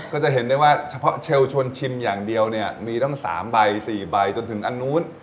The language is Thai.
ก็จะเห็นได้ว่าเฉพาะเชลลชวนชิมอย่างเดียวเนี่ยมีตั้ง๓ใบ๔ใบจนถึงอันนู้น